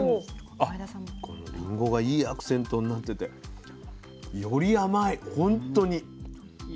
このリンゴがいいアクセントになっててより甘いほんとに。